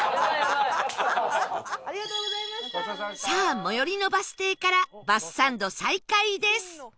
さあ最寄りのバス停からバスサンド再開です